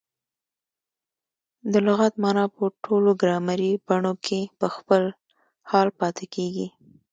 د لغت مانا په ټولو ګرامري بڼو کښي په خپل حال پاته کیږي.